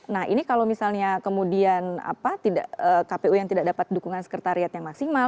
nah ini kalau misalnya kemudian kpu yang tidak dapat dukungan sekretariatnya maksimal